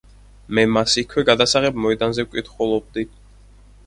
მე მას იქვე გადასაღებ მოედანზე ვკითხულობდი.